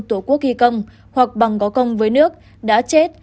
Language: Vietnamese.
tổ quốc ghi công hoặc bằng có công với nước đã chết